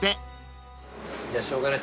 じゃあしょうがない。